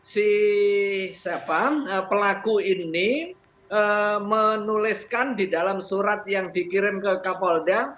si pelaku ini menuliskan di dalam surat yang dikirim ke kapolda